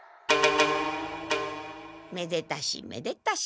めでたしめでたし。